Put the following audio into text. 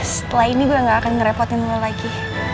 setelah ini gue gak akan ngerepotin gue lagi